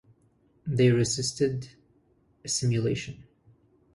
They resisted assimilation.